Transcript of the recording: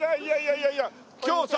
いやいや。今日さ。